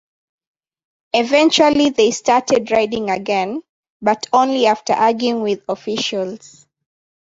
Eventually they started riding again, but only after arguing with officials.